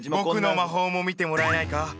僕の魔法も見てもらえないか？